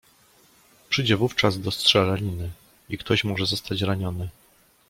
"Przyjdzie wówczas do strzelaniny i ktoś może zostać raniony."